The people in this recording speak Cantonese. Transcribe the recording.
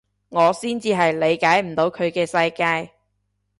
我先至係理解唔到佢嘅世界